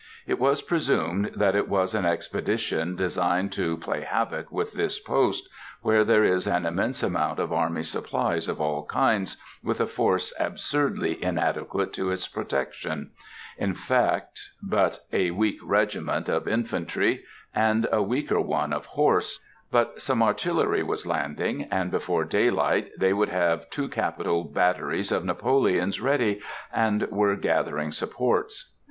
It was presumed that it was an expedition designed to play havoc with this post, where there is an immense amount of army supplies of all kinds, with a force absurdly inadequate to its protection,—in fact, but a weak regiment of infantry, and a weaker one of horse; but some artillery was landing, and before daylight they would have two capital batteries of Napoleons ready, and were gathering supports.